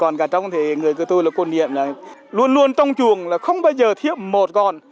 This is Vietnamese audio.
còn gà trống thì người cựu tôi là côn niệm là luôn luôn trong chuồng là không bao giờ thiết một con